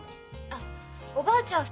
あっおばあちゃん